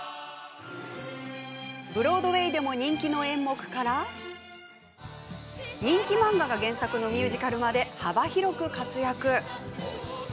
ブロードウェイでも人気の演目から人気漫画が原作のミュージカルまで、幅広く活躍。